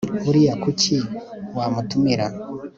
Buriya kuki wamutumira